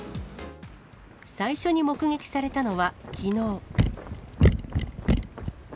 最初に目撃されたのは、きのう。